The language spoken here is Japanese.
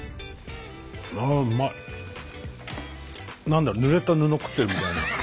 何だろうぬれた布食ってるみたいな。